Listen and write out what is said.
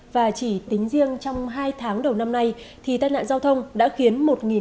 và chỉ tính riêng trong hai tháng đầu năm nay thì tai nạn giao thông đã khiến một người